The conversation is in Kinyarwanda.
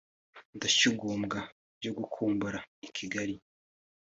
ndashyugumbwa byo gukumbura i Kigali